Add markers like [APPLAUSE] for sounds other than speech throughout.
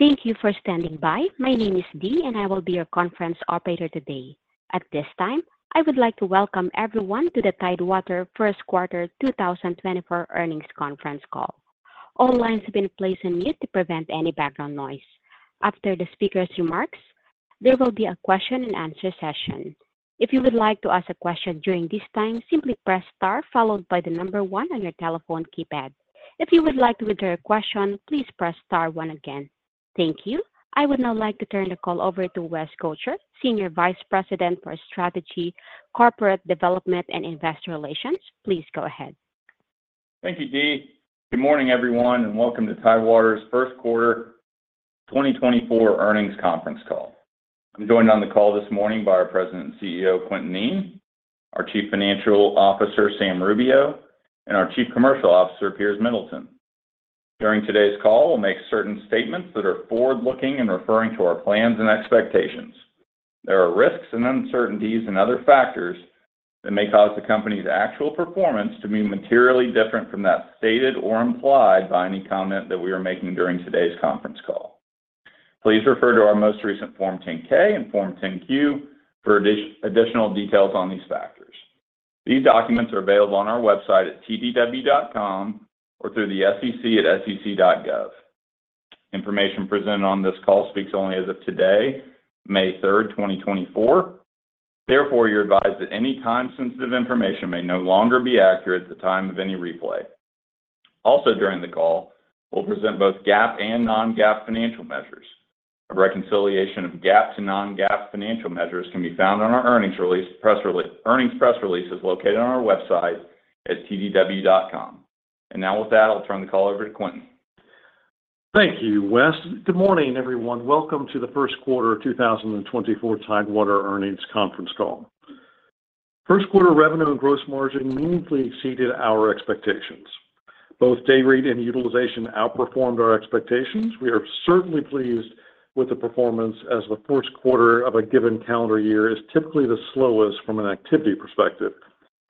Thank you for standing by. My name is Dee, and I will be your conference operator today. At this time, I would like to welcome everyone to the Tidewater First Quarter 2024 earnings conference call. All lines have been placed on mute to prevent any background noise. After the speaker's remarks, there will be a question-and-answer session. If you would like to ask a question during this time, simply press star followed by the number one on your telephone keypad. If you would like to withdraw your question, please press star one again. Thank you. I would now like to turn the call over to West Gotcher, Senior Vice President for Strategy, Corporate Development, and Investor Relations. Please go ahead. Thank you, Dee. Good morning, everyone, and welcome to Tidewater's First Quarter 2024 earnings conference call. I'm joined on the call this morning by our President and CEO, Quintin Kneen, our Chief Financial Officer, Sam Rubio, and our Chief Commercial Officer, Piers Middleton. During today's call, we'll make certain statements that are forward-looking and referring to our plans and expectations. There are risks and uncertainties and other factors that may cause the company's actual performance to be materially different from that stated or implied by any comment that we are making during today's conference call. Please refer to our most recent Form 10-K and Form 10-Q for additional details on these factors. These documents are available on our website at tdw.com or through the SEC at sec.gov. Information presented on this call speaks only as of today, May 3rd, 2024. Therefore, you're advised that any time-sensitive information may no longer be accurate at the time of any replay. Also, during the call, we'll present both GAAP and non-GAAP financial measures. A reconciliation of GAAP to non-GAAP financial measures can be found on our earnings press releases located on our website at tdw.com. Now with that, I'll turn the call over to Quintin. Thank you, West. Good morning, everyone. Welcome to the First Quarter 2024 Tidewater earnings conference call. First Quarter revenue and gross margin meaningfully exceeded our expectations. Both day rate and utilization outperformed our expectations. We are certainly pleased with the performance as the first quarter of a given calendar year is typically the slowest from an activity perspective,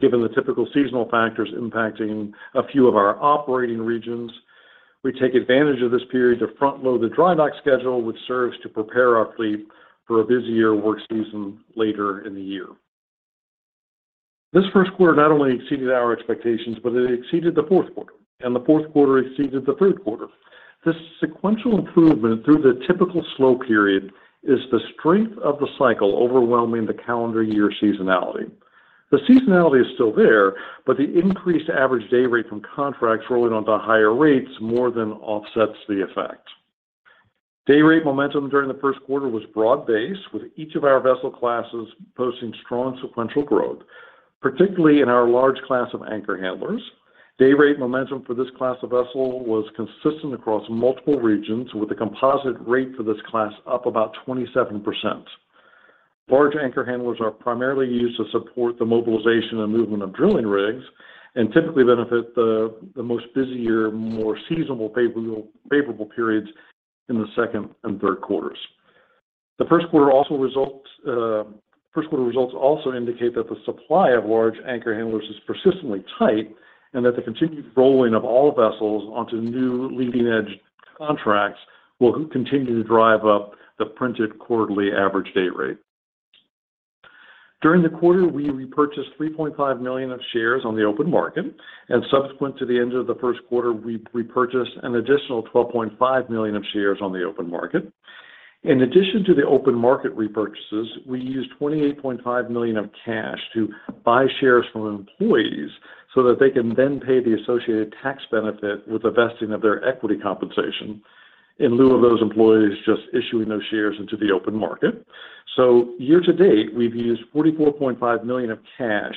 given the typical seasonal factors impacting a few of our operating regions. We take advantage of this period to front-load the dry dock schedule, which serves to prepare our fleet for a busier work season later in the year. This first quarter not only exceeded our expectations, but it exceeded the fourth quarter, and the fourth quarter exceeded the third quarter. This sequential improvement through the typical slow period is the strength of the cycle overwhelming the calendar year seasonality. The seasonality is still there, but the increased average day rate from contracts rolling onto higher rates more than offsets the effect. Day rate momentum during the first quarter was broad-based, with each of our vessel classes posting strong sequential growth, particularly in our large class of anchor handlers. Day rate momentum for this class of vessel was consistent across multiple regions, with the composite rate for this class up about 27%. Large anchor handlers are primarily used to support the mobilization and movement of drilling rigs and typically benefit the most busier, more seasonal favorable periods in the second and third quarters. The first quarter results also indicate that the supply of large anchor handlers is persistently tight and that the continued rolling of all vessels onto new leading-edge contracts will continue to drive up the printed quarterly average day rate. During the quarter, we repurchased $3.5 million of shares on the open market, and subsequent to the end of the first quarter, we repurchased an additional $12.5 million of shares on the open market. In addition to the open market repurchases, we used $28.5 million of cash to buy shares from employees so that they can then pay the associated tax benefit with the vesting of their equity compensation in lieu of those employees just issuing those shares into the open market. So year-to-date, we've used $44.5 million of cash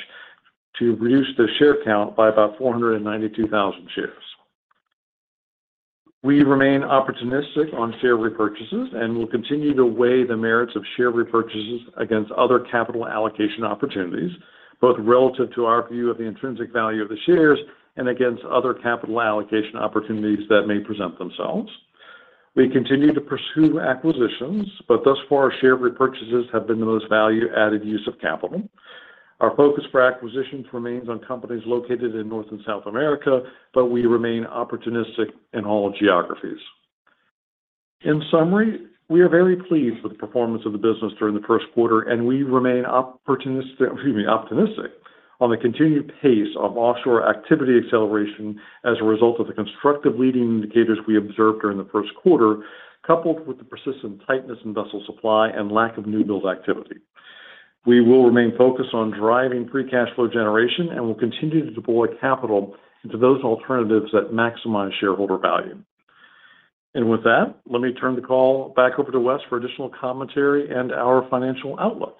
to reduce the share count by about 492,000 shares. We remain opportunistic on share repurchases and will continue to weigh the merits of share repurchases against other capital allocation opportunities, both relative to our view of the intrinsic value of the shares and against other capital allocation opportunities that may present themselves. We continue to pursue acquisitions, but thus far, share repurchases have been the most value-added use of capital. Our focus for acquisitions remains on companies located in North and South America, but we remain opportunistic in all geographies. In summary, we are very pleased with the performance of the business during the first quarter, and we remain opportunistic on the continued pace of offshore activity acceleration as a result of the constructive leading indicators we observed during the first quarter, coupled with the persistent tightness in vessel supply and lack of new build activity. We will remain focused on driving free cash flow generation and will continue to deploy capital into those alternatives that maximize shareholder value. With that, let me turn the call back over to West for additional commentary and our financial outlook.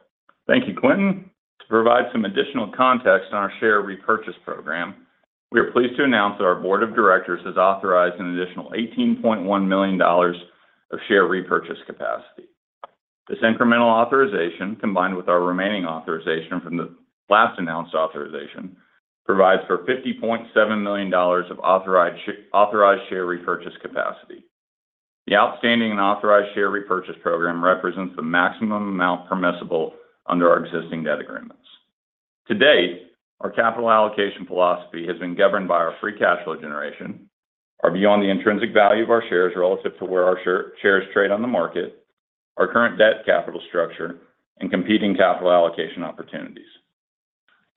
Thank you, Quintin. To provide some additional context on our share repurchase program, we are pleased to announce that our Board of Directors has authorized an additional $18.1 million of share repurchase capacity. This incremental authorization, combined with our remaining authorization from the last announced authorization, provides for $50.7 million of authorized share repurchase capacity. The outstanding and authorized share repurchase program represents the maximum amount permissible under our existing debt agreements. To date, our capital allocation philosophy has been governed by our free cash flow generation, our beyond-the-intrinsic value of our shares relative to where our shares trade on the market, our current debt capital structure, and competing capital allocation opportunities.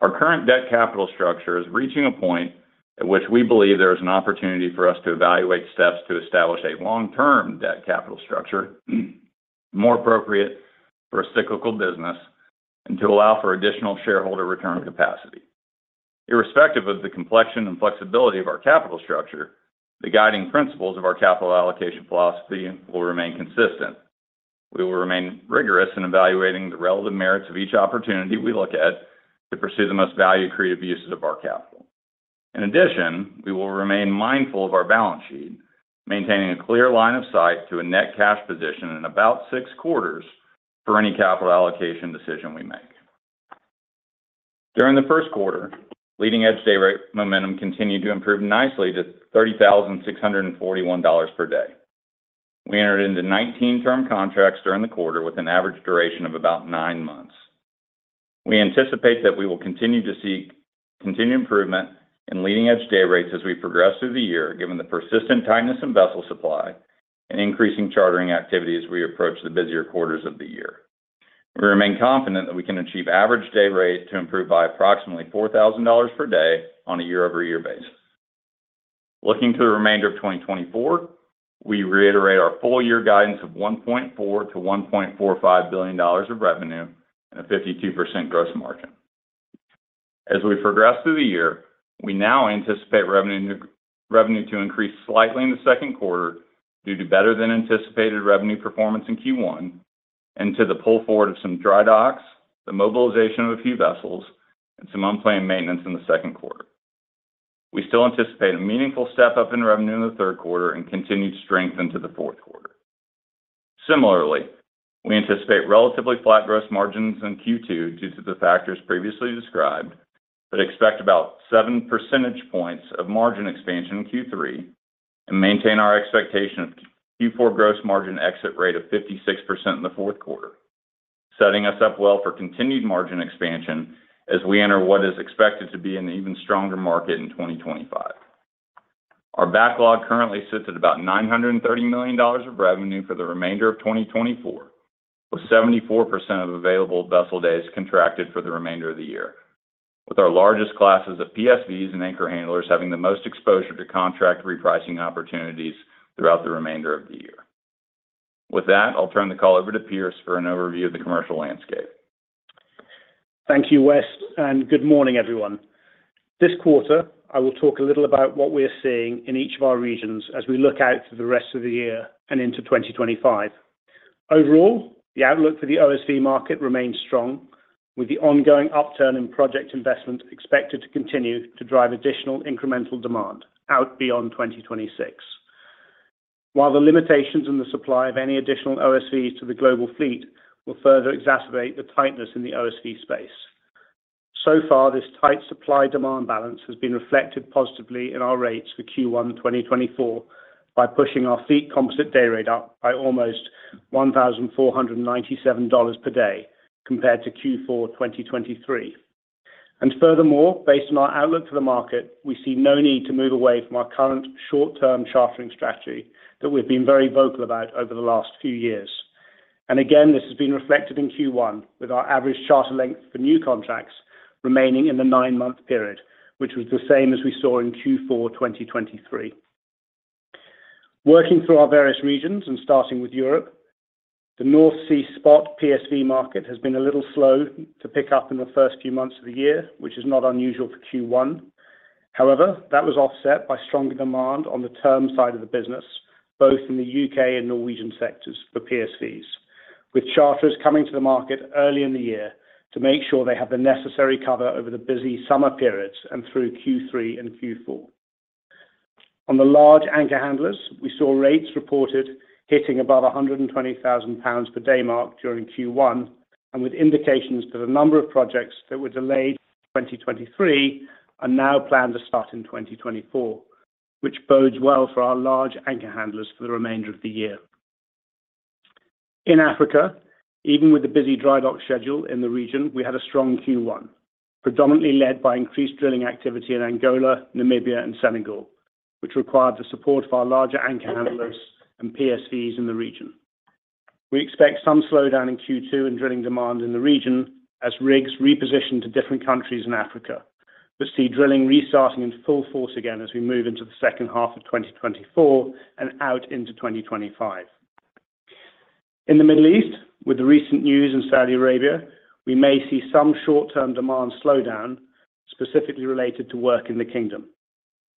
Our current debt capital structure is reaching a point at which we believe there is an opportunity for us to evaluate steps to establish a long-term debt capital structure more appropriate for a cyclical business and to allow for additional shareholder return capacity. Irrespective of the complexion and flexibility of our capital structure, the guiding principles of our capital allocation philosophy will remain consistent. We will remain rigorous in evaluating the relative merits of each opportunity we look at to pursue the most value-creative uses of our capital. In addition, we will remain mindful of our balance sheet, maintaining a clear line of sight to a net cash position in about six quarters for any capital allocation decision we make. During the first quarter, leading-edge day rate momentum continued to improve nicely to $30,641 per day. We entered into 19-term contracts during the quarter with an average duration of about nine months. We anticipate that we will continue to see continued improvement in leading-edge day rates as we progress through the year, given the persistent tightness in vessel supply and increasing chartering activity as we approach the busier quarters of the year. We remain confident that we can achieve average day rate to improve by approximately $4,000 per day on a year-over-year basis. Looking to the remainder of 2024, we reiterate our full-year guidance of $1.4-$1.45 billion of revenue and a 52% gross margin. As we progress through the year, we now anticipate revenue to increase slightly in the second quarter due to better-than-anticipated revenue performance in Q1 and to the pull forward of some dry docks, the mobilization of a few vessels, and some unplanned maintenance in the second quarter. We still anticipate a meaningful step up in revenue in the third quarter and continued strength into the fourth quarter. Similarly, we anticipate relatively flat gross margins in Q2 due to the factors previously described but expect about seven percentage points of margin expansion in Q3 and maintain our expectation of Q4 gross margin exit rate of 56% in the fourth quarter, setting us up well for continued margin expansion as we enter what is expected to be an even stronger market in 2025. Our backlog currently sits at about $930 million of revenue for the remainder of 2024, with 74% of available vessel days contracted for the remainder of the year, with our largest classes of PSVs and anchor handlers having the most exposure to contract repricing opportunities throughout the remainder of the year. With that, I'll turn the call over to Piers for an overview of the commercial landscape. Thank you, West, and good morning, everyone. This quarter, I will talk a little about what we are seeing in each of our regions as we look out to the rest of the year and into 2025. Overall, the outlook for the OSV market remains strong, with the ongoing upturn in project investment expected to continue to drive additional incremental demand out beyond 2026, while the limitations in the supply of any additional OSVs to the global fleet will further exacerbate the tightness in the OSV space. So far, this tight supply-demand balance has been reflected positively in our rates for Q1 2024 by pushing our fleet composite day rate up by almost $1,497 per day compared to Q4 2023. Furthermore, based on our outlook for the market, we see no need to move away from our current short-term chartering strategy that we've been very vocal about over the last few years. Again, this has been reflected in Q1, with our average charter length for new contracts remaining in the nine-month period, which was the same as we saw in Q4 2023. Working through our various regions and starting with Europe, the North Sea spot PSV market has been a little slow to pick up in the first few months of the year, which is not unusual for Q1. However, that was offset by stronger demand on the term side of the business, both in the U.K. and Norwegian sectors for PSVs, with charters coming to the market early in the year to make sure they have the necessary cover over the busy summer periods and through Q3 and Q4. On the large anchor handlers, we saw rates reported hitting above 120,000 pounds per day mark during Q1, and with indications that a number of projects that were delayed in 2023 are now planned to start in 2024, which bodes well for our large anchor handlers for the remainder of the year. In Africa, even with the busy dry dock schedule in the region, we had a strong Q1, predominantly led by increased drilling activity in Angola, Namibia, and Senegal, which required the support of our larger anchor handlers and PSVs in the region. We expect some slowdown in Q2 in drilling demand in the region as rigs reposition to different countries in Africa but see drilling restarting in full force again as we move into the second half of 2024 and out into 2025. In the Middle East, with the recent news in Saudi Arabia, we may see some short-term demand slowdown specifically related to work in the kingdom.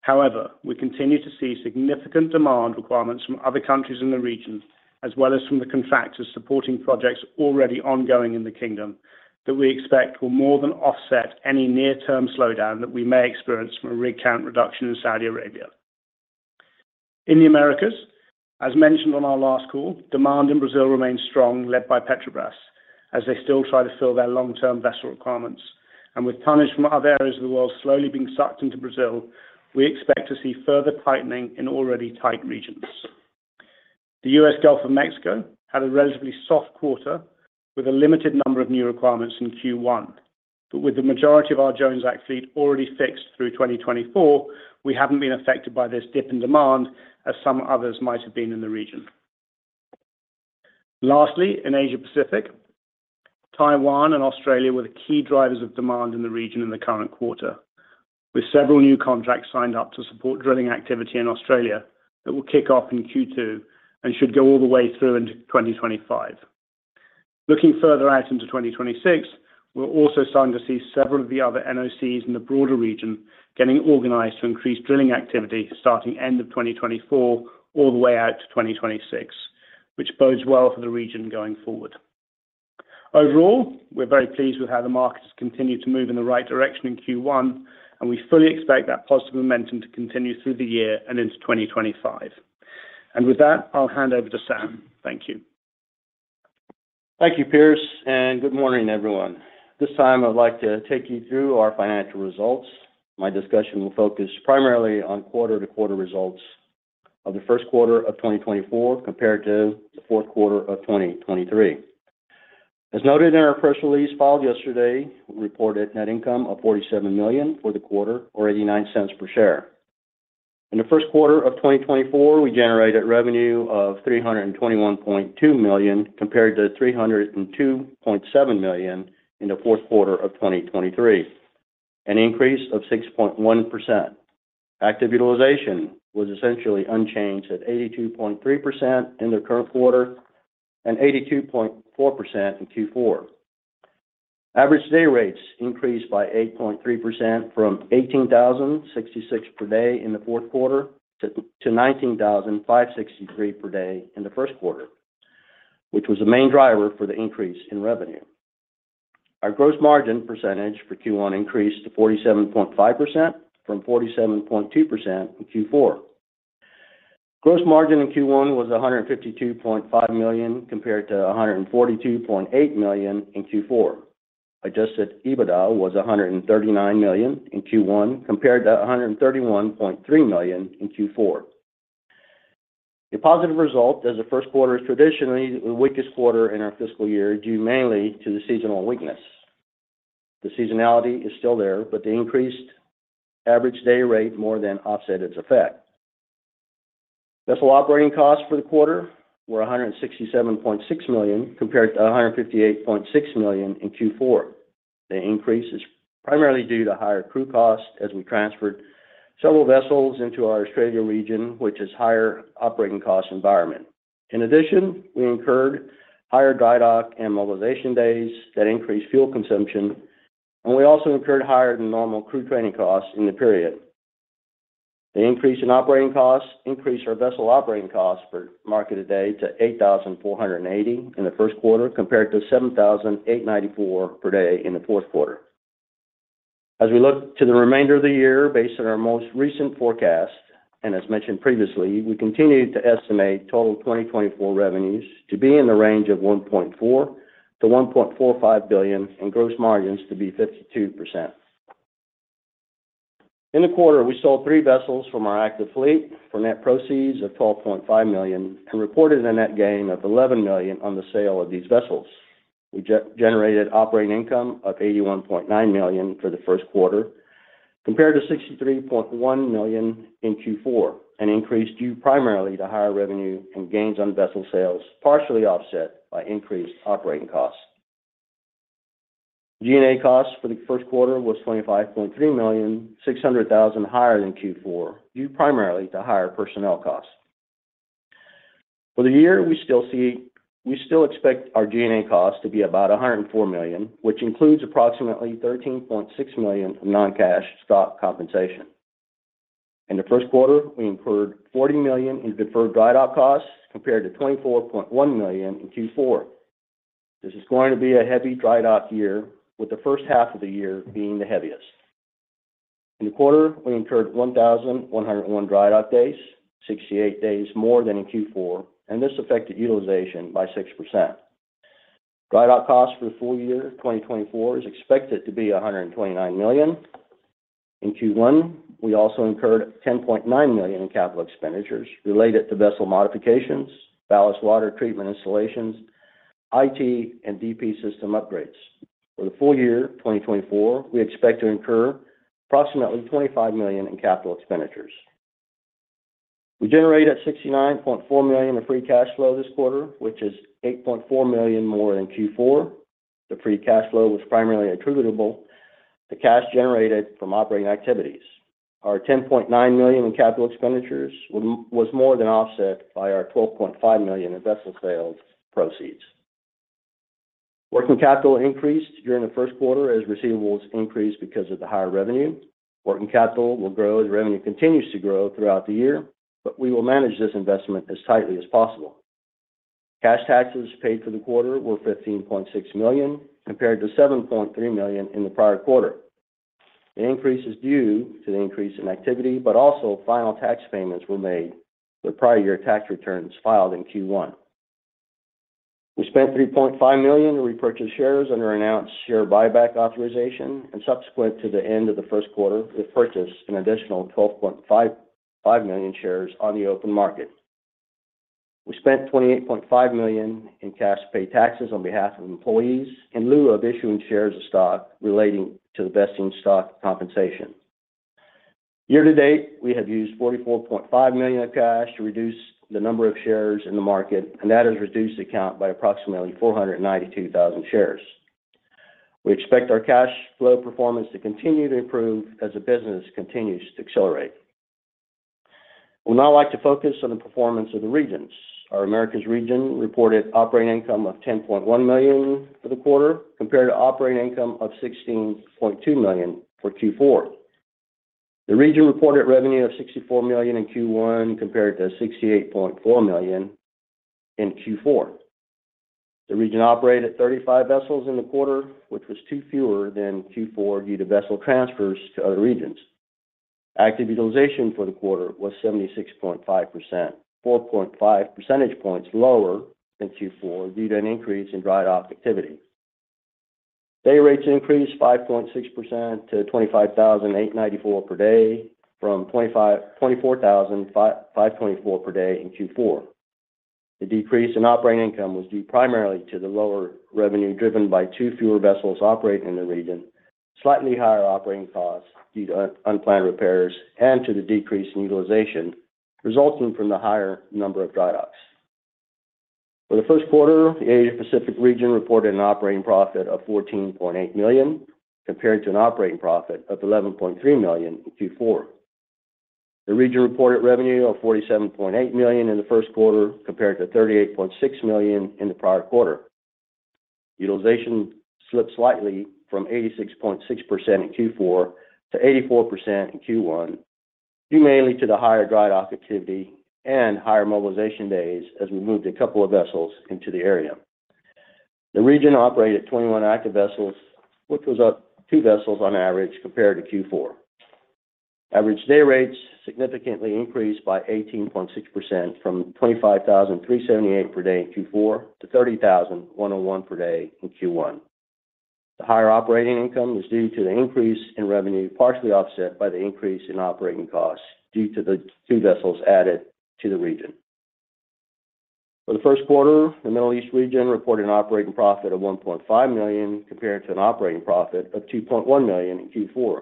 However, we continue to see significant demand requirements from other countries in the region as well as from the contractors supporting projects already ongoing in the kingdom that we expect will more than offset any near-term slowdown that we may experience from a rig count reduction in Saudi Arabia. In the Americas, as mentioned on our last call, demand in Brazil remains strong, led by Petrobras, as they still try to fill their long-term vessel requirements. With tonnage from other areas of the world slowly being sucked into Brazil, we expect to see further tightening in already tight regions. The U.S. Gulf of Mexico had a relatively soft quarter with a limited number of new requirements in Q1. But with the majority of our Jones Act fleet already fixed through 2024, we haven't been affected by this dip in demand as some others might have been in the region. Lastly, in Asia Pacific, Taiwan and Australia were the key drivers of demand in the region in the current quarter, with several new contracts signed up to support drilling activity in Australia that will kick off in Q2 and should go all the way through into 2025. Looking further out into 2026, we're also starting to see several of the other NOCs in the broader region getting organized to increase drilling activity starting end of 2024 all the way out to 2026, which bodes well for the region going forward. Overall, we're very pleased with how the market has continued to move in the right direction in Q1, and we fully expect that positive momentum to continue through the year and into 2025. With that, I'll hand over to Sam. Thank you. Thank you, Piers, and good morning, everyone. This time, I'd like to take you through our financial results. My discussion will focus primarily on quarter-to-quarter results of the first quarter of 2024 compared to the fourth quarter of 2023. As noted in our press release filed yesterday, we reported net income of $47 million for the quarter, or $0.89 per share. In the first quarter of 2024, we generated revenue of $321.2 million compared to $302.7 million in the fourth quarter of 2023, an increase of 6.1%. Active utilization was essentially unchanged at 82.3% in the current quarter and 82.4% in Q4. Average day rates increased by 8.3% from $18,066 per day in the fourth quarter to $19,563 per day in the first quarter, which was the main driver for the increase in revenue. Our gross margin percentage for Q1 increased to 47.5% from 47.2% in Q4. Gross margin in Q1 was $152.5 million compared to $142.8 million in Q4. Adjusted EBITDA was $139 million in Q1 compared to $131.3 million in Q4. The positive result, as the first quarter is traditionally the weakest quarter in our fiscal year due mainly to the seasonal weakness. The seasonality is still there, but the increased average day rate more than offset its effect. Vessel operating costs for the quarter were $167.6 million compared to $158.6 million in Q4. The increase is primarily due to higher crew costs as we transferred several vessels into our Australia region, which is a higher operating cost environment. In addition, we incurred higher dry dock and mobilization days that increased fuel consumption, and we also incurred higher than normal crew training costs in the period. The increase in operating costs increased our vessel operating costs per marketed day to 8,480 in the first quarter compared to 7,894 per day in the fourth quarter. As we look to the remainder of the year based on our most recent forecast and as mentioned previously, we continue to estimate total 2024 revenues to be in the range of $1.4 billion-$1.45 billion and gross margins to be 52%. In the quarter, we sold three vessels from our active fleet for net proceeds of $12.5 million and reported a net gain of $11 million on the sale of these vessels. We generated operating income of $81.9 million for the first quarter compared to $63.1 million in Q4, an increase due primarily to higher revenue and gains on vessel sales, partially offset by increased operating costs. G&A costs for the first quarter was $25.3 million, $600,000 higher than Q4 due primarily to higher personnel costs. For the year, we still expect our G&A costs to be about $104 million, which includes approximately $13.6 million of non-cash stock compensation. In the first quarter, we incurred $40 million in deferred dry dock costs compared to $24.1 million in Q4. This is going to be a heavy dry dock year, with the first half of the year being the heaviest. In the quarter, we incurred 1,101 dry dock days, 68 days more than in Q4, and this affected utilization by 6%. Dry dock costs for the full year 2024 is expected to be $129 million. In Q1, we also incurred $10.9 million in capital expenditures related to vessel modifications, ballast water treatment installations, IT, and DP system upgrades. For the full year 2024, we expect to incur approximately $25 million in capital expenditures. We generated $69.4 million of free cash flow this quarter, which is $8.4 million more than Q4. The free cash flow was primarily attributable to cash generated from operating activities. Our $10.9 million in capital expenditures was more than offset by our $12.5 million in vessel sales proceeds. Working capital increased during the first quarter as receivables increased because of the higher revenue. Working capital will grow as revenue continues to grow throughout the year, but we will manage this investment as tightly as possible. Cash taxes paid for the quarter were $15.6 million compared to $7.3 million in the prior quarter. The increase is due to the increase in activity, but also final tax payments were made with prior year tax returns filed in Q1. We spent $3.5 million to repurchase shares under announced share buyback authorization and subsequent to the end of the first quarter, we purchased an additional $12.5 million shares on the open market. We spent $28.5 million in cash to pay taxes on behalf of employees in lieu of issuing shares of stock relating to the vesting stock compensation. Year-to-date, we have used $44.5 million of cash to reduce the number of shares in the market, and that has reduced the count by approximately 492,000 shares. We expect our cash flow performance to continue to improve as the business continues to accelerate. We would now like to focus on the performance of the regions. Our Americas region reported operating income of $10.1 million for the quarter compared to operating income of $16.2 million for Q4. The region reported revenue of $64 million in Q1 compared to $68.4 million in Q4. The region operated 35 vessels in the quarter, which was two fewer than Q4 due to vessel transfers to other regions. Active utilization for the quarter was 76.5%, 4.5 percentage points lower than Q4 due to an increase in dry dock activity. Day rates increased 5.6% to 25,894 per day from 24,524 per day in Q4. The decrease in operating income was due primarily to the lower revenue driven by two fewer vessels operating in the region, slightly higher operating costs due to unplanned repairs, and to the decrease in utilization resulting from the higher number of dry docks. For the first quarter, the Asia Pacific region reported an operating profit of $14.8 million compared to an operating profit of $11.3 million in Q4. The region reported revenue of $47.8 million in the first quarter compared to $38.6 million in the prior quarter. Utilization slipped slightly from 86.6% in Q4 to 84% in Q1 due mainly to the higher dry dock activity and higher mobilization days as we moved a couple of vessels into the area. The region operated 21 active vessels, which was up two vessels on average compared to Q4. Average day rates significantly increased by 18.6% from $25,378 per day in Q4 to $30,101 per day in Q1. The higher operating income was due to the increase in revenue partially offset by the increase in operating costs due to the two vessels added to the region. For the first quarter, the Middle East region reported an operating profit of $1.5 million compared to an operating profit of $2.1 million in Q4.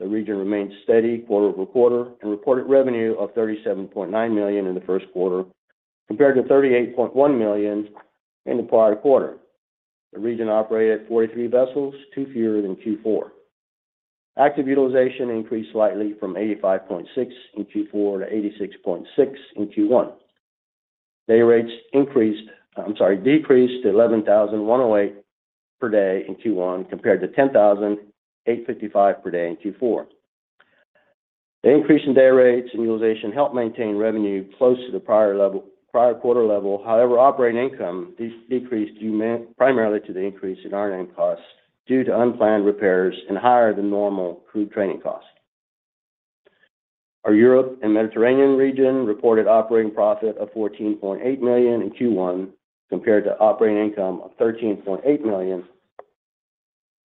The region remained steady quarter-over-quarter and reported revenue of $37.9 million in the first quarter compared to $38.1 million in the prior quarter. The region operated 43 vessels, two fewer than Q4. Active utilization increased slightly from 85.6% in Q4 to 86.6% in Q1. Day rates decreased to 11,108 per day in Q1 compared to 10,855 per day in Q4. The increase in day rates and utilization helped maintain revenue close to the prior quarter level. However, operating income decreased primarily to the increase in our net costs due to unplanned repairs and higher than normal crew training costs. Our Europe and Mediterranean region reported operating profit of $14.8 million in Q1 compared to operating income of $13.8 million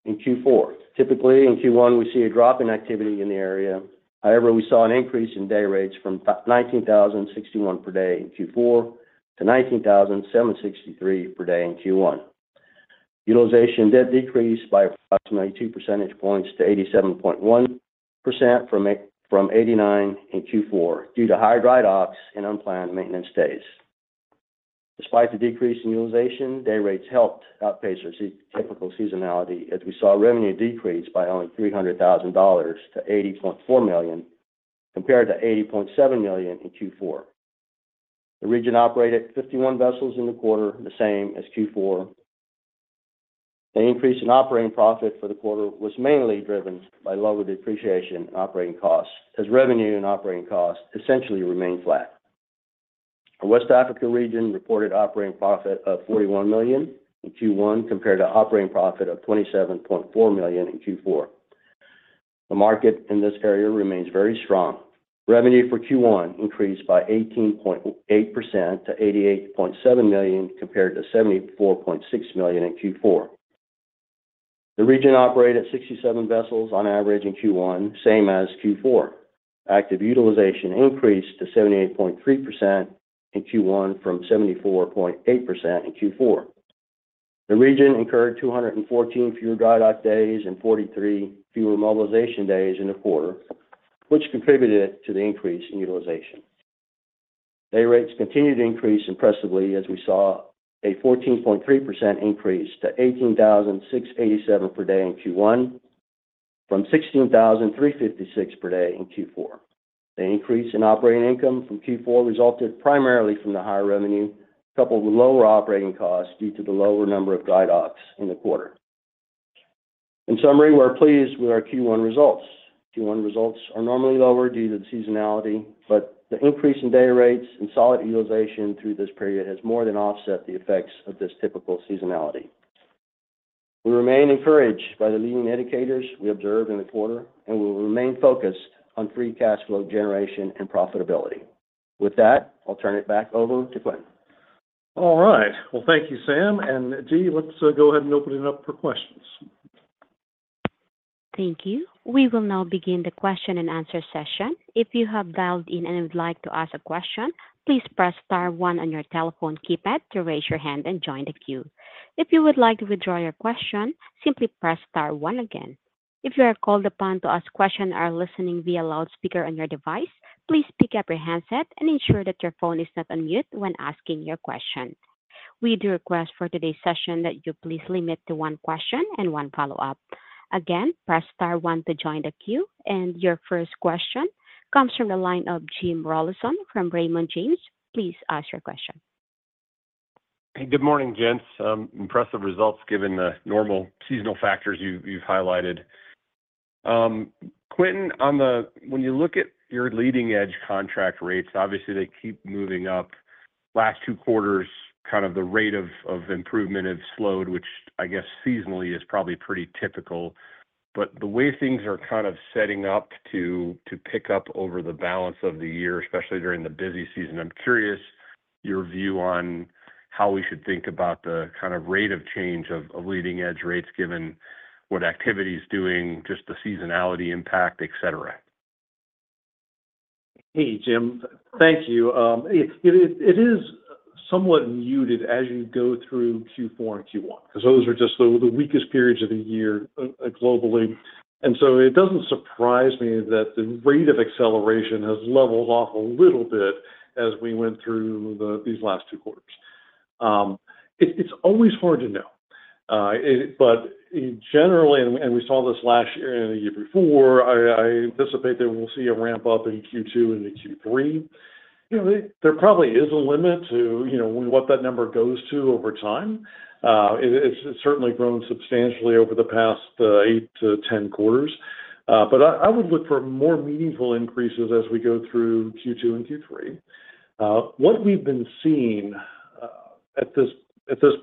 in Q4. Typically, in Q1, we see a drop in activity in the area. However, we saw an increase in day rates from $19,061 per day in Q4 to $19,763 per day in Q1. Utilization did decrease by approximately two percentage points to 87.1% from 89% in Q4 due to high dry docks and unplanned maintenance days. Despite the decrease in utilization, day rates helped outpace our typical seasonality as we saw revenue decrease by only $300,000 to $80.4 million compared to $80.7 million in Q4. The region operated 51 vessels in the quarter, the same as Q4. The increase in operating profit for the quarter was mainly driven by lower depreciation and operating costs as revenue and operating costs essentially remained flat. Our West Africa region reported operating profit of $41 million in Q1 compared to operating profit of $27.4 million in Q4. The market in this area remains very strong. Revenue for Q1 increased by 18.8% to $88.7 million compared to $74.6 million in Q4. The region operated 67 vessels on average in Q1, same as Q4. Active utilization increased to 78.3% in Q1 from 74.8% in Q4. The region incurred 214 fewer dry dock days and 43 fewer mobilization days in the quarter, which contributed to the increase in utilization. Day rates continued to increase impressively as we saw a 14.3% increase to 18,687 per day in Q1 from 16,356 per day in Q4. The increase in operating income from Q4 resulted primarily from the higher revenue coupled with lower operating costs due to the lower number of dry docks in the quarter. In summary, we're pleased with our Q1 results. Q1 results are normally lower due to the seasonality, but the increase in day rates and solid utilization through this period has more than offset the effects of this typical seasonality. We remain encouraged by the leading indicators we observed in the quarter, and we will remain focused on free cash flow generation and profitability. With that, I'll turn it back over to Quintin. All right. Well, thank you, Sam. And Dee, let's go ahead and open it up for questions. Thank you. We will now begin the question and answer session. If you have dialed in and would like to ask a question, please press star one on your telephone keypad to raise your hand and join the queue. If you would like to withdraw your question, simply press star one again. If you are called upon to ask a question or are listening via loudspeaker on your device, please pick up your handset and ensure that your phone is not unmuted when asking your question. We do request for today's session that you please limit to one question and one follow-up. Again, press star one to join the queue. And your first question comes from the line of Jim Rollyson from Raymond James. Please ask your question. Hey, good morning, gents. Impressive results given the normal seasonal factors you've highlighted. Quintin, when you look at your leading edge contract rates, obviously, they keep moving up. Last two quarters, kind of the rate of improvement has slowed, which I guess seasonally is probably pretty typical. But the way things are kind of setting up to pick up over the balance of the year, especially during the busy season, I'm curious your view on how we should think about the kind of rate of change of leading edge rates given what activity is doing, just the seasonality impact, etc. Hey, Jim. Thank you. It is somewhat muted as you go through Q4 and Q1 because those are just the weakest periods of the year globally. And so it doesn't surprise me that the rate of acceleration has leveled off a little bit as we went through these last two quarters. It's always hard to know. But generally, and we saw this last year and the year before, I anticipate that we'll see a ramp-up in Q2 and in Q3. There probably is a limit to what that number goes to over time. It's certainly grown substantially over the past 8-10 quarters. But I would look for more meaningful increases as we go through Q2 and Q3. What we've been seeing at this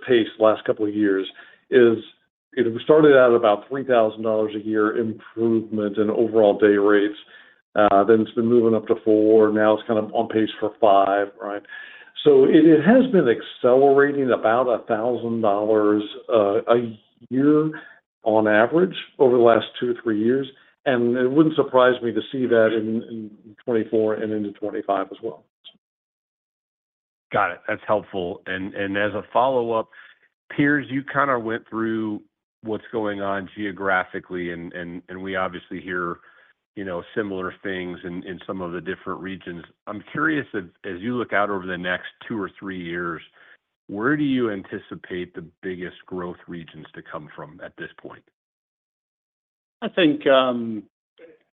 pace last couple of years is we started out at about $3,000 a year improvement in overall day rates. Then it's been moving up to $4,000. Now it's kind of on pace for $5,000, right? So it has been accelerating about $1,000 a year on average over the last two or three years. And it wouldn't surprise me to see that in 2024 and into 2025 as well. Got it. That's helpful. And as a follow-up, Piers, you kind of went through what's going on geographically, and we obviously hear similar things in some of the different regions. I'm curious, as you look out over the next two or three years, where do you anticipate the biggest growth regions to come from at this point? I think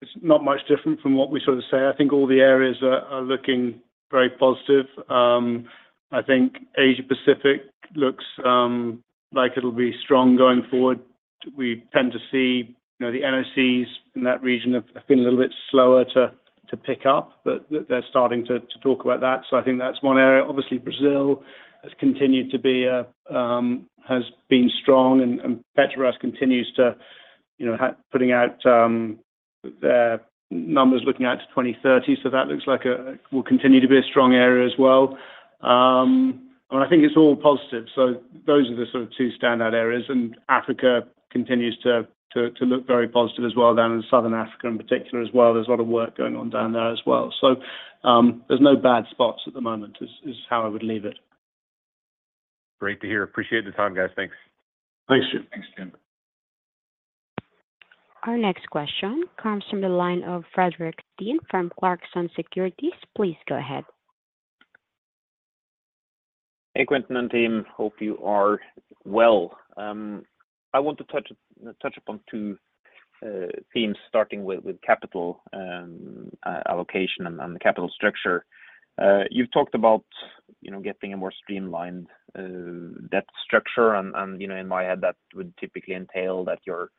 it's not much different from what we sort of say. I think all the areas are looking very positive. I think Asia Pacific looks like it'll be strong going forward. We tend to see the NOCs in that region have been a little bit slower to pick up, but they're starting to talk about that. So I think that's one area. Obviously, Brazil has continued to be as has been strong, and Petrobras continues to put out their numbers looking out to 2030. So that looks like it will continue to be a strong area as well. I mean, I think it's all positive. So those are the sort of two standout areas. Africa continues to look very positive as well, down in Southern Africa in particular as well. There's a lot of work going on down there as well. So there's no bad spots at the moment is how I would leave it. Great to hear. Appreciate the time, guys. Thanks. Thanks, Jim. Thanks, Jim. Our next question comes from the line of Fredrik Stene from Clarksons Securities. Please go ahead. Hey, Quintin and team. Hope you are well. I want to touch upon two themes, starting with capital allocation and the capital structure. You've talked about getting a more streamlined debt structure. In my head, that would typically entail that you're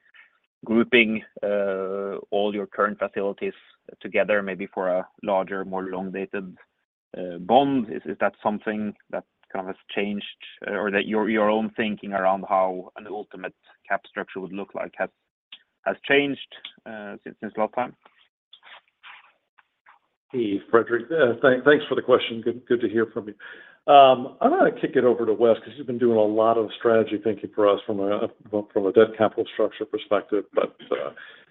grouping all your current facilities together maybe for a larger, more long-dated bond. Is that something that kind of has changed or that your own thinking around how an ultimate cap structure would look like has changed since last time? Hey, Fredrik. Thanks for the question. Good to hear from you. I'm going to kick it over to West because he's been doing a lot of strategy thinking for us from a debt capital structure perspective. But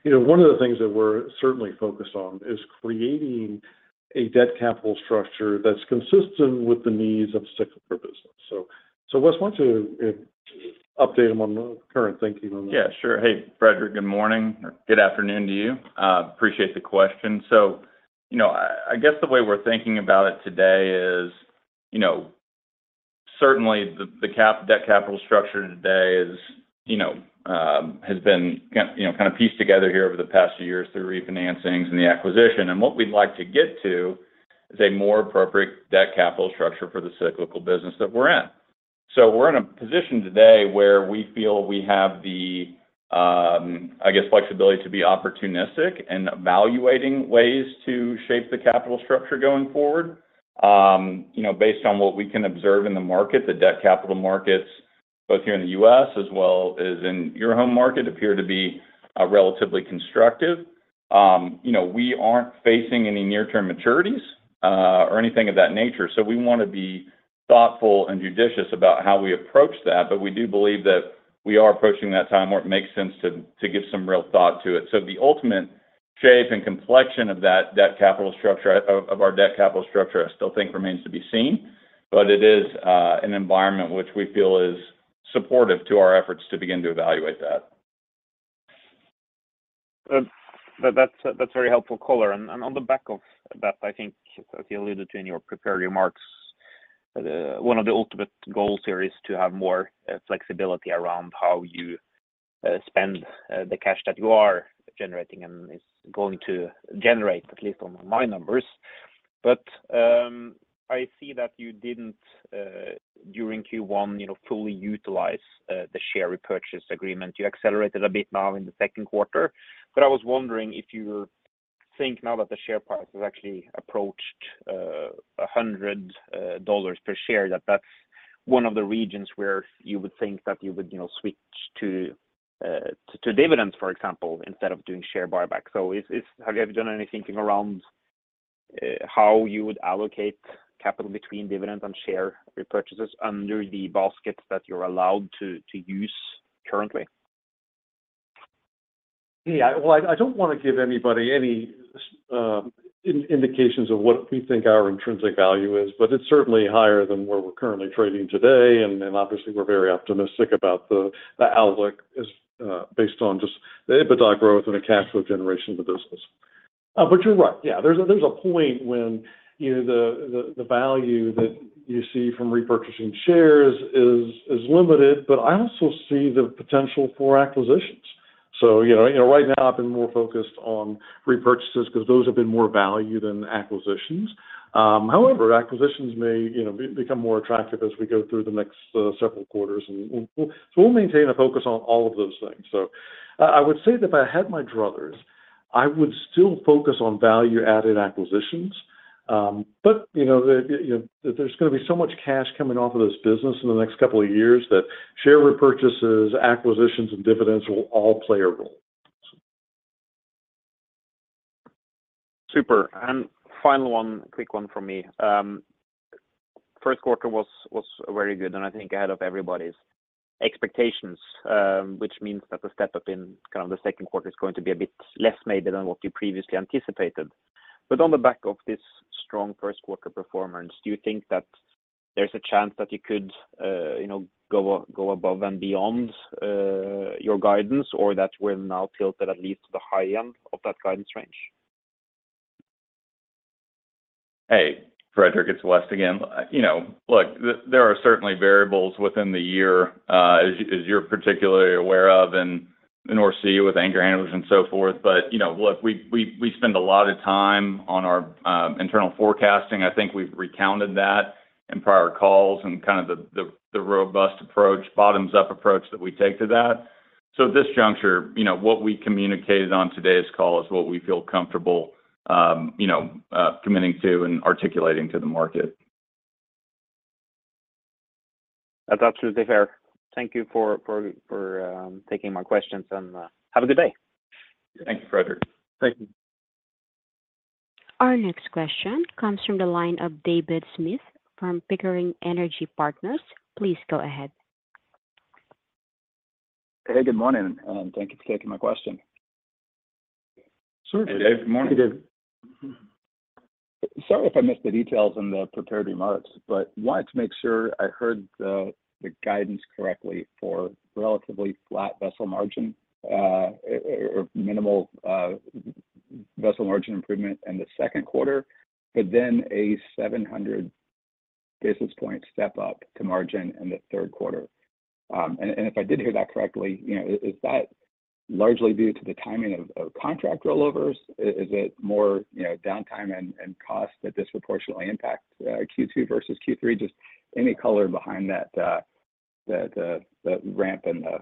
one of the things that we're certainly focused on is creating a debt capital structure that's consistent with the needs of a cyclical purpose. So, West, why don't you update them on the current thinking on that? Yeah, sure. Hey, Fredrik. Good morning or good afternoon to you. Appreciate the question. So I guess the way we're thinking about it today is certainly, the debt capital structure today has been kind of pieced together here over the past few years through refinancings and the acquisition. What we'd like to get to is a more appropriate debt capital structure for the cyclical business that we're in. So we're in a position today where we feel we have the, I guess, flexibility to be opportunistic in evaluating ways to shape the capital structure going forward. Based on what we can observe in the market, the debt capital markets, both here in the U.S. as well as in your home market, appear to be relatively constructive. We aren't facing any near-term maturities or anything of that nature. So we want to be thoughtful and judicious about how we approach that. But we do believe that we are approaching that time where it makes sense to give some real thought to it. So the ultimate shape and complexion of that debt capital structure of our debt capital structure, I still think, remains to be seen. But it is an environment which we feel is supportive to our efforts to begin to evaluate that. That's a very helpful color. On the back of that, I think, as you alluded to in your prepared remarks, one of the ultimate goals here is to have more flexibility around how you spend the cash that you are generating and is going to generate, at least on my numbers. But I see that you didn't, during Q1, fully utilize the share repurchase agreement. You accelerated a bit now in the second quarter. But I was wondering if you think now that the share price has actually approached $100 per share, that that's one of the reasons where you would think that you would switch to dividends, for example, instead of doing share buyback. So have you ever done any thinking around how you would allocate capital between dividend and share repurchases under the baskets that you're allowed to use currently? Yeah. Well, I don't want to give anybody any indications of what we think our intrinsic value is. But it's certainly higher than where we're currently trading today. And obviously, we're very optimistic about the outlook based on just the EBITDA growth and the cash flow generation of the business. But you're right. Yeah. There's a point when the value that you see from repurchasing shares is limited. But I also see the potential for acquisitions. So right now, I've been more focused on repurchases because those have been more value than acquisitions. However, acquisitions may become more attractive as we go through the next several quarters. So we'll maintain a focus on all of those things. So I would say that if I had my druthers, I would still focus on value-added acquisitions. But there's going to be so much cash coming off of this business in the next couple of years that share repurchases, acquisitions, and dividends will all play a role. Super. Final one, quick one from me. First quarter was very good. I think ahead of everybody's expectations, which means that the step up in kind of the second quarter is going to be a bit less maybe than what you previously anticipated. But on the back of this strong first-quarter performance, do you think that there's a chance that you could go above and beyond your guidance or that we're now tilted at least to the high end of that guidance range? Hey, Fredrik. It's West again. Look, there are certainly variables within the year, as you're particularly aware of in North Sea with anchor handlers and so forth. But look, we spend a lot of time on our internal forecasting. I think we've recounted that in prior calls and kind of the robust approach, bottoms-up approach that we take to that. So at this juncture, what we communicated on today's call is what we feel comfortable committing to and articulating to the market. That's absolutely fair. Thank you for taking my questions. And have a good day. Thank you, Fredrik. Thank you. Our next question comes from the line of David Smith from Pickering Energy Partners. Please go ahead. Hey, good morning. And thank you for taking my question. Sure. Hey, Dave. [CROSSTALK] Good morning. Hey, Dave. Sorry if I missed the details in the prepared remarks. But I wanted to make sure I heard the guidance correctly for relatively flat vessel margin or minimal vessel margin improvement in the second quarter, but then a 700 basis point step up to margin in the third quarter. And if I did hear that correctly, is that largely due to the timing of contract rollovers? Is it more downtime and cost that disproportionately impact Q2 versus Q3? Just any color behind that ramp in the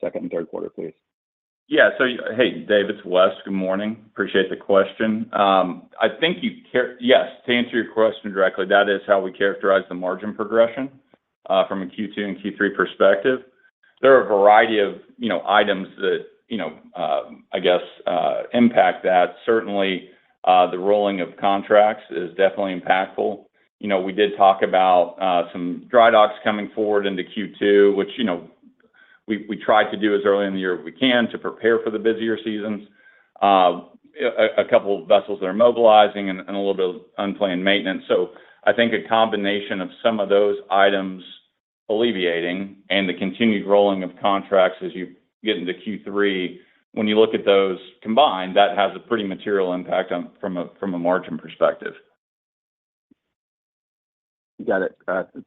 second and third quarter, please. Yeah. So hey, Dave. It's West. Good morning. Appreciate the question. I think you yes. To answer your question directly, that is how we characterize the margin progression from a Q2 and Q3 perspective. There are a variety of items that, I guess, impact that. Certainly, the rolling of contracts is definitely impactful. We did talk about some dry docks coming forward into Q2, which we tried to do as early in the year as we can to prepare for the busier seasons. A couple of vessels that are mobilizing and a little bit of unplanned maintenance. So I think a combination of some of those items alleviating and the continued rolling of contracts as you get into Q3, when you look at those combined, that has a pretty material impact from a margin perspective. Got it.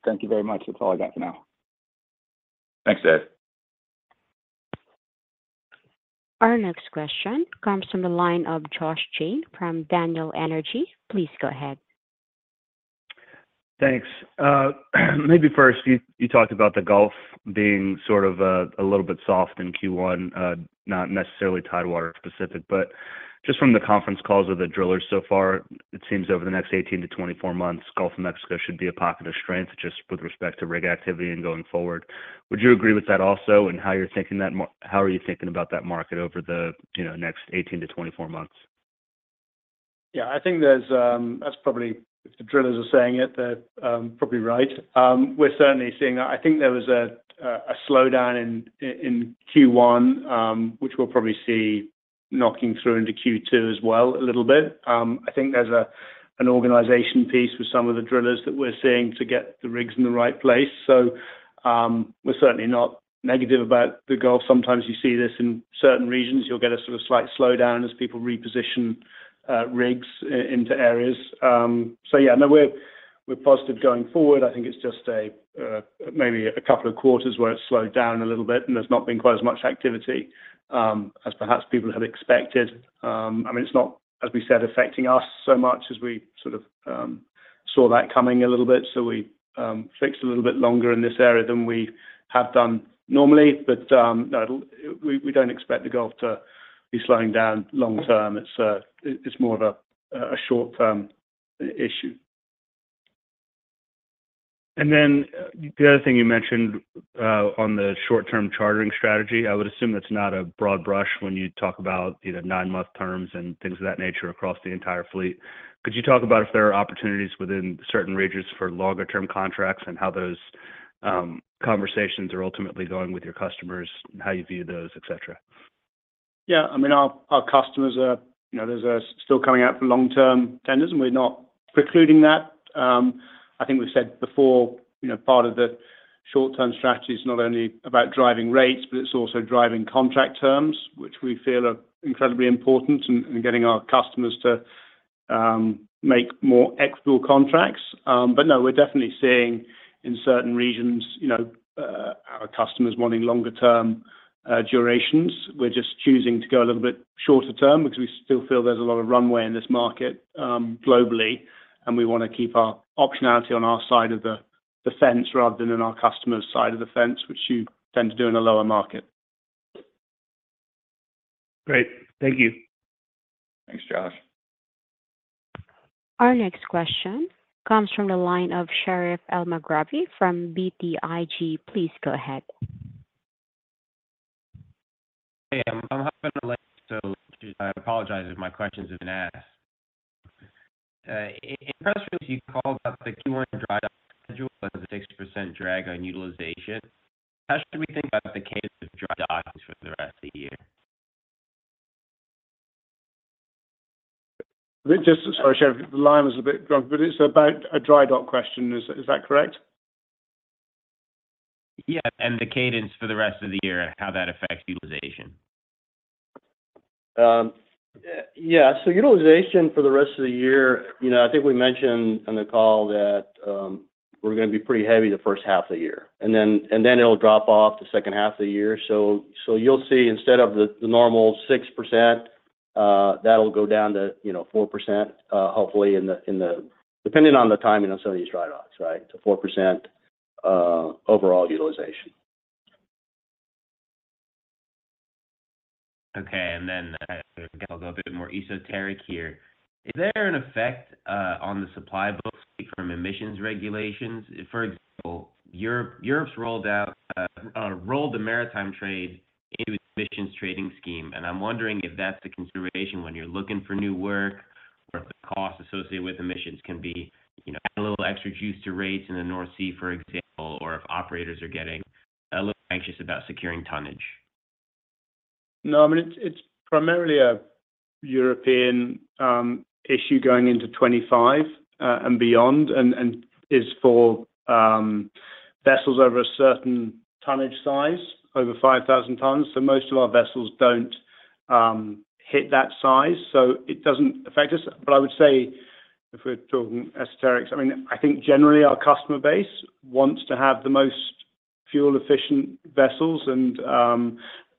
Thank you very much. That's all I got for now. Thanks, Dave. Our next question comes from the line of Josh Jayne from Daniel Energy. Please go ahead. Thanks. Maybe first, you talked about the Gulf being sort of a little bit soft in Q1, not necessarily Tidewater-specific. But just from the conference calls with the drillers so far, it seems over the next 18-24 months, Gulf of Mexico should be a pocket of strength just with respect to rig activity and going forward. Would you agree with that also and how you're thinking that how are you thinking about that market over the next 18-24 months? Yeah. I think that's probably if the drillers are saying it, they're probably right. We're certainly seeing that. I think there was a slowdown in Q1, which we'll probably see knocking through into Q2 as well a little bit. I think there's an organization piece with some of the drillers that we're seeing to get the rigs in the right place. So we're certainly not negative about the Gulf. Sometimes you see this in certain regions. You'll get a sort of slight slowdown as people reposition rigs into areas. So yeah. No, we're positive going forward. I think it's just maybe a couple of quarters where it's slowed down a little bit. And there's not been quite as much activity as perhaps people had expected. I mean, it's not, as we said, affecting us so much as we sort of saw that coming a little bit. So we fixed a little bit longer in this area than we have done normally. But no, we don't expect the Gulf to be slowing down long-term. It's more of a short-term issue. And then the other thing you mentioned on the short-term chartering strategy, I would assume that's not a broad brush when you talk about nine month terms and things of that nature across the entire fleet. Could you talk about if there are opportunities within certain regions for longer-term contracts and how those conversations are ultimately going with your customers, how you view those, etc.? Yeah. I mean, our customers, there's still coming out for long-term tenders. We're not precluding that. I think we've said before, part of the short-term strategy is not only about driving rates, but it's also driving contract terms, which we feel are incredibly important and getting our customers to make more equitable contracts. But no, we're definitely seeing in certain regions our customers wanting longer-term durations. We're just choosing to go a little bit shorter term because we still feel there's a lot of runway in this market globally. We want to keep our optionality on our side of the fence rather than in our customer's side of the fence, which you tend to do in a lower market. Great. Thank you. Thanks, Josh. Our next question comes from the line of Sherif Elmaghrabi from BTIG. Please go ahead. Hey, I'm hopping on the line. So I apologize if my questions haven't asked. In press release, you called out the Q1 dry dock schedule as a 60% drag on utilization. How should we think about the cadence of dry docks for the rest of the year? Just sorry, Sherif. The line was a bit dropped. But it's about a dry dock question. Is that correct? Yeah. And the cadence for the rest of the year and how that affects utilization. Yeah. So utilization for the rest of the year, I think we mentioned on the call that we're going to be pretty heavy the first half of the year. And then it'll drop off the second half of the year. So you'll see, instead of the normal 6%, that'll go down to 4%, hopefully, depending on the timing of some of these dry docks, right, to 4% overall utilization. Okay. And then I guess I'll go a bit more esoteric here. Is there an effect on the supply book from emissions regulations? For example, Europe's rolled the maritime trade into its Emissions Trading Scheme. And I'm wondering if that's a consideration when you're looking for new work or if the costs associated with emissions can be adding a little extra juice to rates in the North Sea, for example, or if operators are getting a little anxious about securing tonnage. No. I mean, it's primarily a European issue going into 2025 and beyond and is for vessels over a certain tonnage size, over 5,000 tons. So most of our vessels don't hit that size. So it doesn't affect us. But I would say if we're talking esoterics, I mean, I think generally, our customer base wants to have the most fuel-efficient vessels. And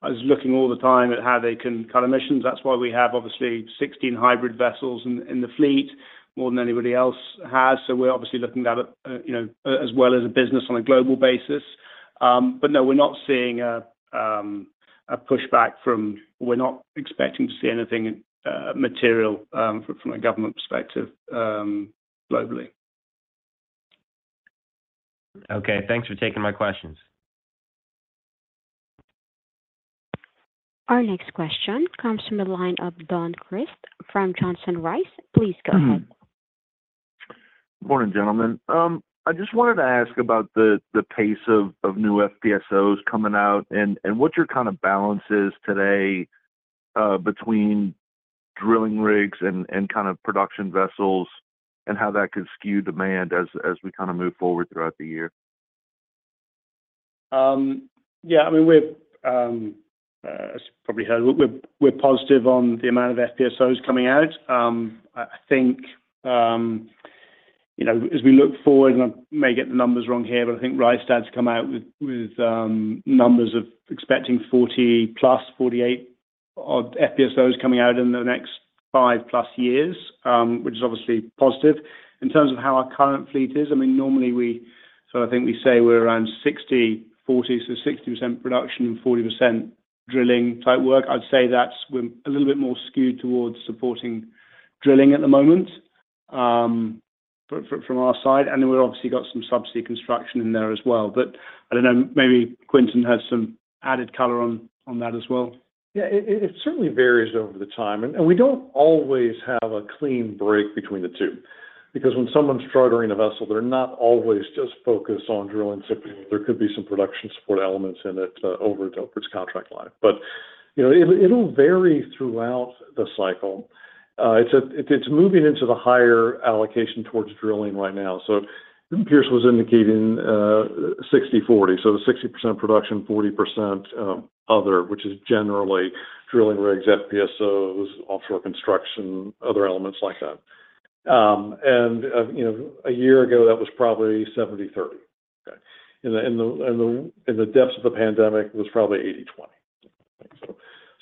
I was looking all the time at how they can cut emissions. That's why we have, obviously, 16 hybrid vessels in the fleet more than anybody else has. So we're obviously looking at that as well as a business on a global basis. But no, we're not seeing a pushback from. We're not expecting to see anything material from a government perspective globally. Okay. Thanks for taking my questions. Our next question comes from the line of Don Crist from Johnson Rice. Please go ahead. Morning, gentlemen. I just wanted to ask about the pace of new FPSOs coming out and what your kind of balance is today between drilling rigs and kind of production vessels and how that could skew demand as we kind of move forward throughout the year. Yeah. I mean, as you've probably heard, we're positive on the amount of FPSOs coming out. I think as we look forward and I may get the numbers wrong here, but I think Rystad's come out with numbers of expecting 40+, 48 FPSOs coming out in the next five-plus years, which is obviously positive. In terms of how our current fleet is, I mean, normally, so I think we say we're around 60/40, so 60% production and 40% drilling-type work. I'd say we're a little bit more skewed towards supporting drilling at the moment from our side. Then we've obviously got some subsea construction in there as well. I don't know. Maybe Quintin has some added color on that as well. Yeah. It certainly varies over time. We don't always have a clean break between the two because when someone's chartering a vessel, they're not always just focused on drilling separately. There could be some production support elements in it over its contract life. It'll vary throughout the cycle. It's moving into the higher allocation towards drilling right now. So Piers' was indicating 60/40, so 60% production, 40% other, which is generally drilling rigs, FPSOs, offshore construction, other elements like that. A year ago, that was probably 70/30, okay? In the depths of the pandemic, it was probably 80/20.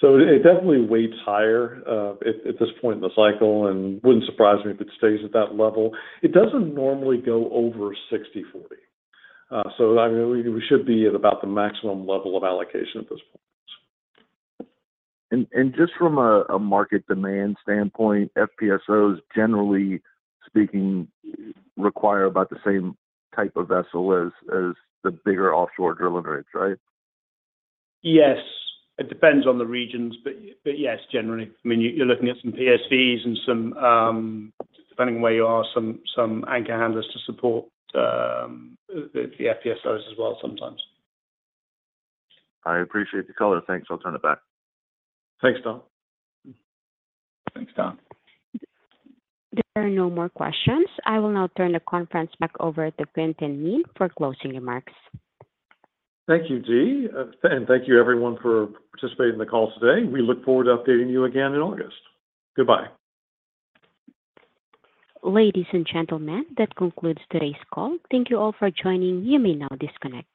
It definitely weighs higher at this point in the cycle. It wouldn't surprise me if it stays at that level. It doesn't normally go over 60/40. So I mean, we should be at about the maximum level of allocation at this point. And just from a market demand standpoint, FPSOs, generally speaking, require about the same type of vessel as the bigger offshore drilling rigs, right? Yes. It depends on the regions. But yes, generally, I mean, you're looking at some PSVs and some, depending on where you are, some anchor handlers to support the FPSOs as well sometimes. I appreciate the color. Thanks. I'll turn it back. Thanks, Don. Thanks, Don. There are no more questions. I will now turn the conference back over to Quintin Kneen for closing remarks. Thank you, Dee. And thank you, everyone, for participating in the call today. We look forward to updating you again in August. Goodbye. Ladies and gentlemen, that concludes today's call. Thank you all for joining. You may now disconnect.